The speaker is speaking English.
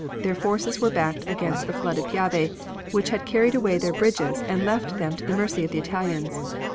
Their forces were backed against the flooded Piave, which had carried away their bridges and left them to the mercy of the Italians.